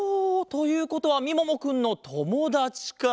ということはみももくんのともだちか。